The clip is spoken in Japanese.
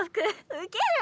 ウケる。